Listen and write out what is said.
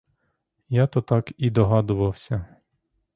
Я то так і догадувався.